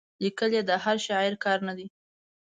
لیکل یې د هر شاعر کار نه دی.